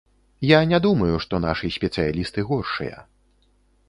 Я не думаю, што нашы спецыялісты горшыя.